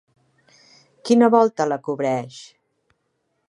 Quina volta la cobreix?